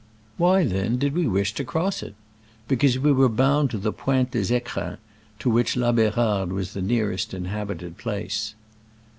Why, then, did we wish to cross it ? Because we were bound to the Pointe des ficrins, to which La B6rarde was the nearest inhabited place.